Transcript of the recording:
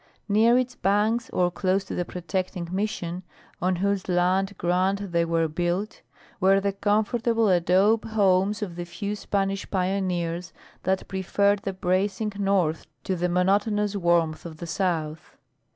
Near its banks, or closer to the protecting Mission on whose land grant they were built were the comfortable adobe homes of the few Spanish pioneers that preferred the bracing north to the monotonous warmth of the south.